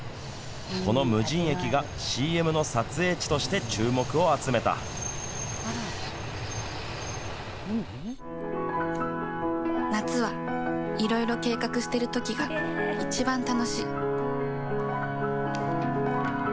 この無人駅がＣＭの撮影地として夏はいろいろ計画しているときが一番楽しい。